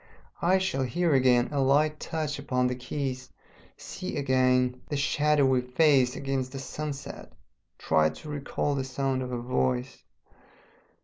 I shall hear again a light touch upon the keys, see again the shadowy face against the sunset, try to recall the sound of a voice....